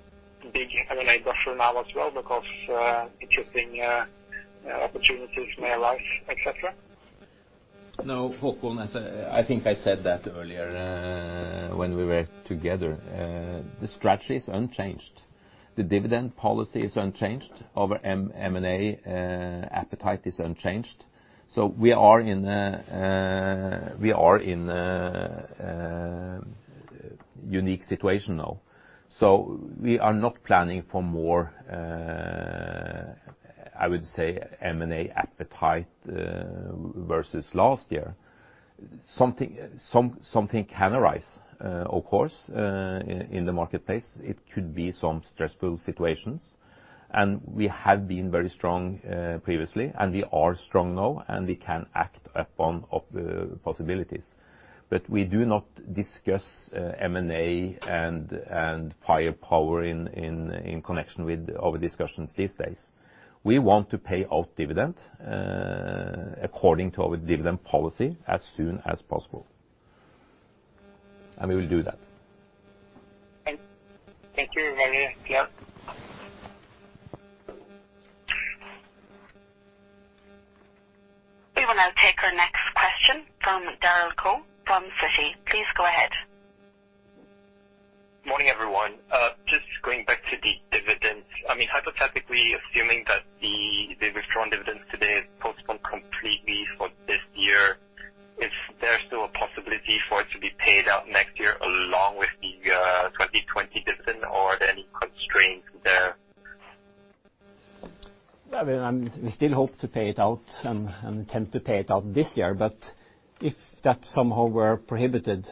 big M&A buffer now as well because interesting opportunities may arise, etc.? No. I think I said that earlier when we were together. The strategy is unchanged. The dividend policy is unchanged. Our M&A appetite is unchanged. So we are in a unique situation now. So we are not planning for more, I would say, M&A appetite versus last year. Something can arise, of course, in the marketplace. It could be some stressful situations. And we have been very strong previously, and we are strong now, and we can act upon possibilities. But we do not discuss M&A and firepower in connection with our discussions these days. We want to pay out dividend according to our dividend policy as soon as possible. And we will do that. Thank you very much. We will now take our next question from Daryl Coe from Citi. Please go ahead. Morning, everyone. Just going back to the dividends. I mean, hypothetically, assuming that the withdrawn dividends today are postponed completely for this year, is there still a possibility for it to be paid out next year along with the 2020 dividend, or are there any constraints there? I mean, we still hope to pay it out and attempt to pay it out this year, but if that somehow were prohibited,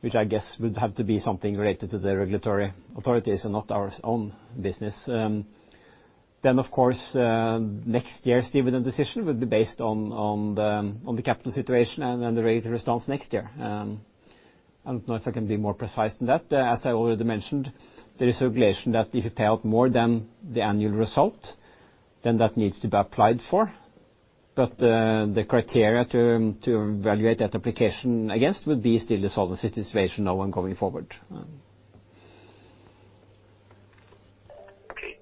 which I guess would have to be something related to the regulatory authorities and not our own business, then, of course, next year's dividend decision would be based on the capital situation and the regulatory response next year. I don't know if I can be more precise than that. As I already mentioned, there is a regulation that if you pay out more than the annual result, then that needs to be applied for. But the criteria to evaluate that application against would be still the solvency situation now and going forward. Okay.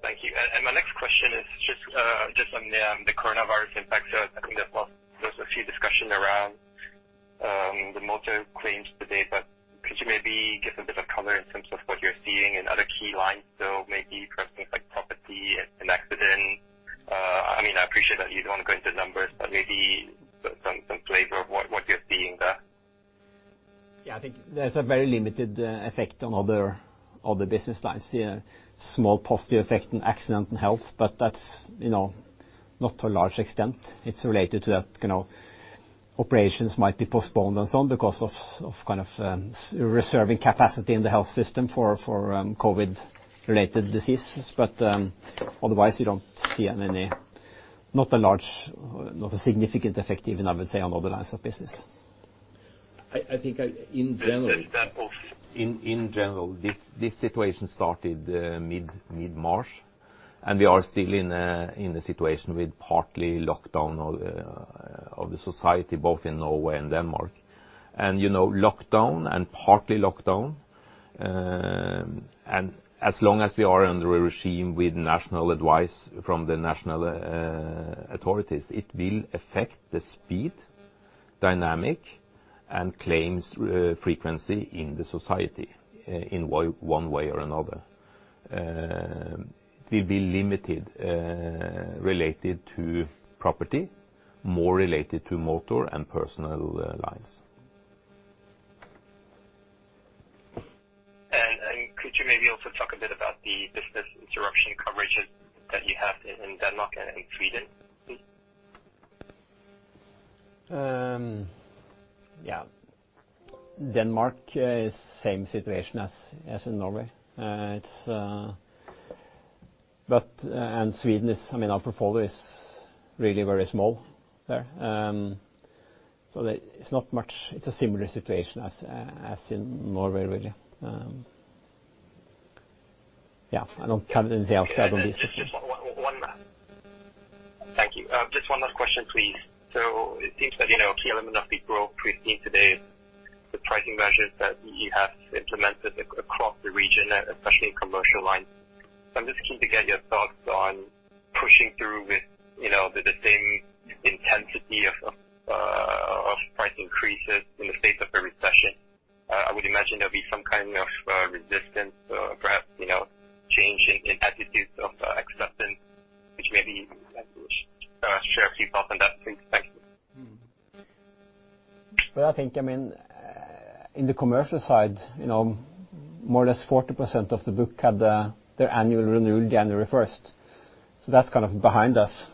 Thank you. And my next question is just on the coronavirus impact. So I think there's a few discussions around the motor claims today, but could you maybe give a bit of color in terms of what you're seeing in other key lines? So maybe for instance, like property and accidents. I mean, I appreciate that you don't want to go into numbers, but maybe some flavor of what you're seeing there. Yeah. I think there's a very limited effect on other business lines. Small positive effect on accident and health, but that's not to a large extent. It's related to that kind of operations might be postponed and so on because of kind of reserving capacity in the health system for COVID-related diseases. But otherwise, you don't see any, not a significant effect, even I would say, on other lines of business. I think in general, this situation started mid-March, and we are still in a situation with partly lockdown of the society, both in Norway and Denmark. And lockdown and partly lockdown, and as long as we are under a regime with national advice from the national authorities, it will affect the speed, dynamic, and claims frequency in the society in one way or another. It will be limited related to property, more related to motor and personal lines. And could you maybe also talk a bit about the business interruption coverage that you have in Denmark and Sweden? Yeah. Denmark is the same situation as in Norway. And Sweden is, I mean, our portfolio is really very small there. So it's not much. It's a similar situation as in Norway, really. Yeah. I don't have anything else that I don't need to explain. One last. Thank you. Just one last question, please. So it seems that a key element of the growth we've seen today is the pricing measures that you have implemented across the region, especially in commercial lines. So I'm just keen to get your thoughts on pushing through with the same intensity of price increases in the face of a recession. I would imagine there'll be some kind of resistance or perhaps change in attitudes of acceptance, which maybe you can share a few thoughts on that. Thank you. Well, I think, I mean, in the commercial side, more or less 40% of the book had their annual renewal January 1st. So that's kind of behind us.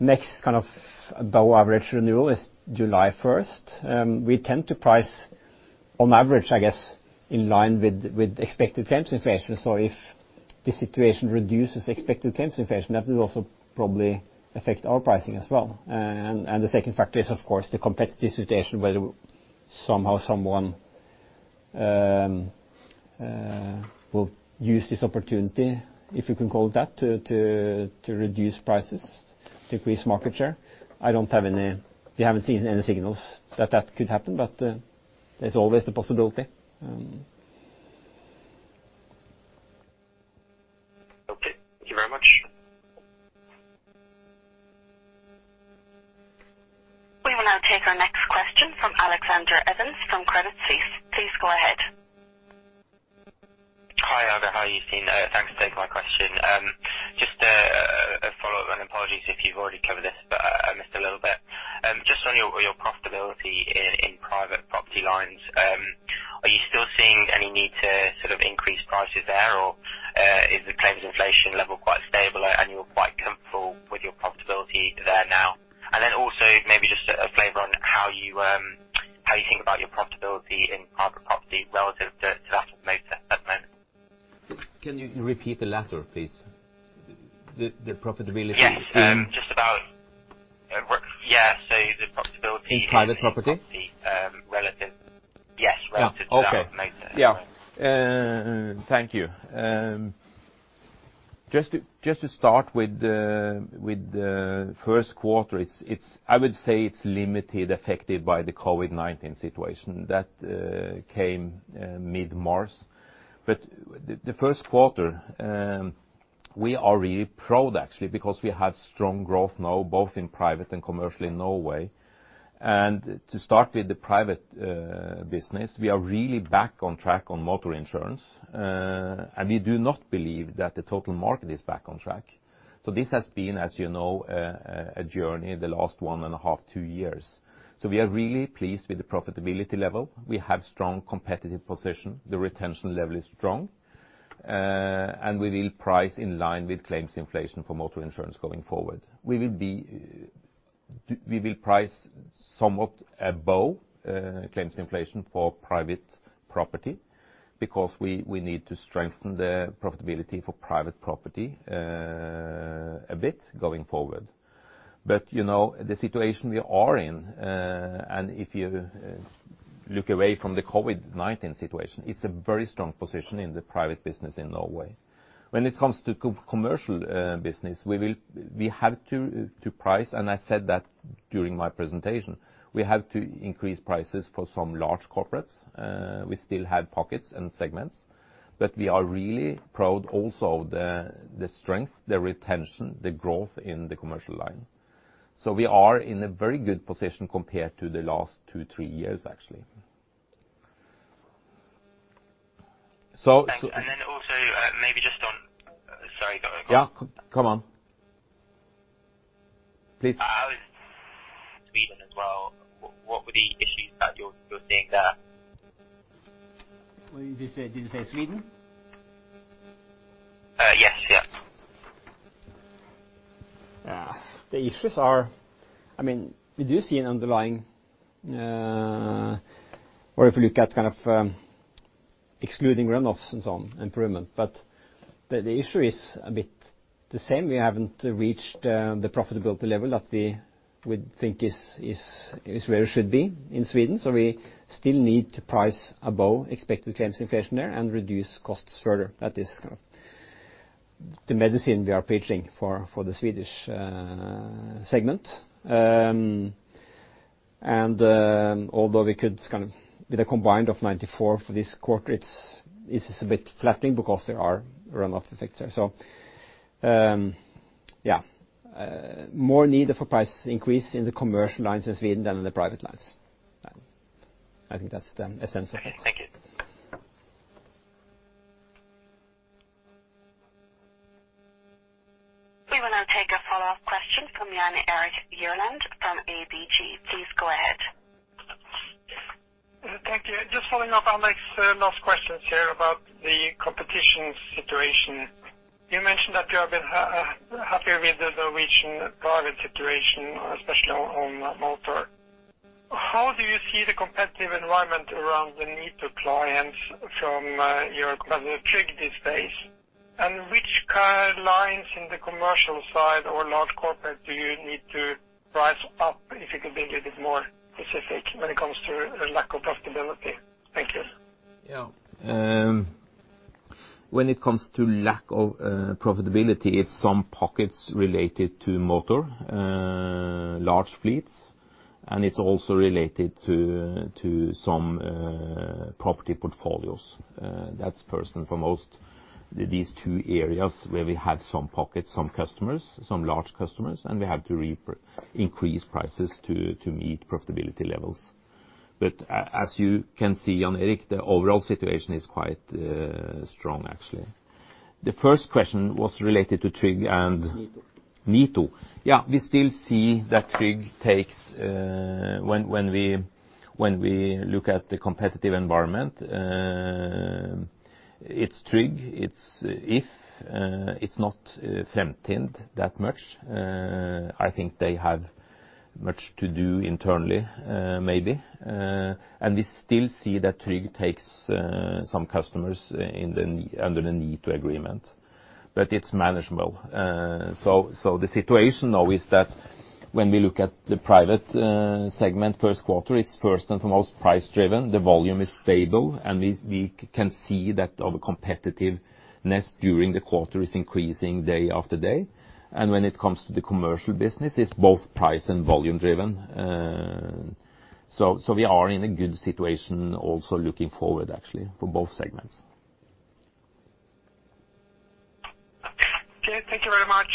Next, kind of above-average renewal is July 1st. We tend to price, on average, I guess, in line with expected claims inflation. So if the situation reduces expected claims inflation, that will also probably affect our pricing as well. And the second factor is, of course, the competitive situation, whether somehow someone will use this opportunity, if you can call it that, to reduce prices, decrease market share. I don't have any. We haven't seen any signals that that could happen, but there's always the possibility. Okay. Thank you very much. We will now take our next question from Alexander Evans from Credit Suisse. Please go ahead. Hi, Helge. How are you? Thanks for taking my question. Just a follow-up and apologies if you've already covered this, but I missed a little bit. Just on your profitability in private property lines, are you still seeing any need to sort of increase prices there, or is the claims inflation level quite stable, and you're quite comfortable with your profitability there now? And then also maybe just a flavor on how you think about your profitability in private property relative to that motor at the moment. Can you repeat the latter, please? The profitability? Yes. Just about, yeah. So the profitability in private property relative, yes, relative to that motor. Yeah. Thank you. Just to start with the first quarter, I would say it's limitedly affected by the COVID-19 situation that came mid-March. The first quarter, we are really proud, actually, because we have strong growth now, both in private and commercial in Norway. To start with the private business, we are really back on track on motor insurance. We do not believe that the total market is back on track. This has been, as you know, a journey the last one and a half, two years. We are really pleased with the profitability level. We have a strong competitive position. The retention level is strong. We will price in line with claims inflation for motor insurance going forward. We will price somewhat above claims inflation for private property because we need to strengthen the profitability for private property a bit going forward. The situation we are in, and if you look away from the COVID-19 situation, it's a very strong position in the private business in Norway. When it comes to commercial business, we have to price, and I said that during my presentation, we have to increase prices for some large corporates. We still have pockets and segments, but we are really proud also of the strength, the retention, the growth in the commercial line. So we are in a very good position compared to the last two, three years, actually. And then also maybe just on - sorry, go on. Yeah. Come on. Please. I was. Sweden as well. What were the issues that you're seeing there? Did you say Sweden? Yes. Yeah. The issues are, I mean, we do see an underlying - or if you look at kind of excluding run-off and so on, improvement. But the issue is a bit the same. We haven't reached the profitability level that we would think is where it should be in Sweden. So we still need to price above expected claims inflation there and reduce costs further. That is kind of the medicine we are preaching for the Swedish segment. And although we could kind of with a combined ratio of 94% for this quarter, it is a bit flattening because there are run-off effects there. So yeah, more need for price increase in the commercial lines in Sweden than in the private lines. I think that's the essence of it. Thank you. We will now take a follow-up question from Jan Erik Gjerland from ABG. Please go ahead. Thank you. Just following up on the last questions here about the competition situation. You mentioned that you have been happy with the Norwegian private situation, especially on motor. How do you see the competitive environment around the need to apply price hikes from your competitors' tricks these days? Which car lines in the commercial side or large corporate do you need to price up if you could be a little bit more specific when it comes to lack of profitability? Thank you. Yeah. When it comes to lack of profitability, it's some pockets related to motor, large fleets, and it's also related to some property portfolios. That's first and foremost, these two areas where we have some pockets, some customers, some large customers, and we have to increase prices to meet profitability levels. But as you can see, Jan Erik, the overall situation is quite strong, actually. The first question was related to Tryg and NITO. Yeah. We still see that Tryg takes when we look at the competitive environment, it's Tryg, it's if. It's not Fremtind that much. I think they have much to do internally, maybe. And we still see that Tryg takes some customers under the NITO agreement, but it's manageable. So the situation now is that when we look at the private segment first quarter, it's first and foremost price-driven. The volume is stable, and we can see that our competitiveness during the quarter is increasing day after day. And when it comes to the commercial business, it's both price and volume-driven. So we are in a good situation also looking forward, actually, for both segments. Okay. Thank you very much.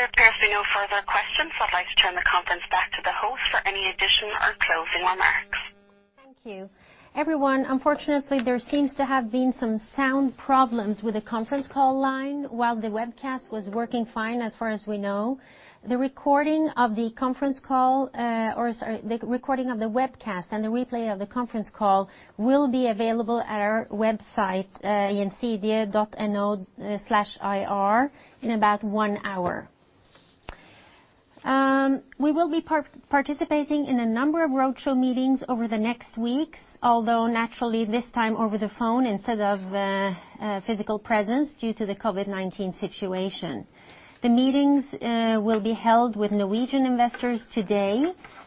There appears to be no further questions. I'd like to turn the conference back to the host for any additional or closing remarks. Thank you. Everyone, unfortunately, there seems to have been some sound problems with the conference call line while the webcast was working fine as far as we know. The recording of the conference call, or sorry, the recording of the webcast and the replay of the conference call will be available at our website, gjensidige.no/ir, in about one hour. We will be participating in a number of roadshow meetings over the next weeks, although naturally this time over the phone instead of physical presence due to the COVID-19 situation. The meetings will be held with Norwegian investors today,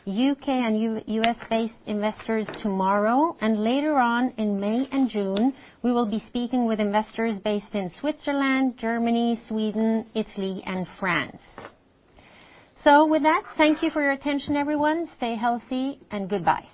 U.K. and U.S.-based investors tomorrow, and later on in May and June, we will be speaking with investors based in Switzerland, Germany, Sweden, Italy, and France. So with that, thank you for your attention, everyone. Stay healthy and goodbye.